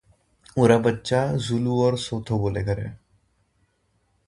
Her children speak Zulu and Sotho at home.